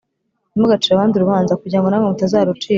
Ntimugacire abandi urubanza kugira ngo namwe mutazarucirwa